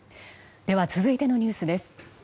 では続いてのニュースです。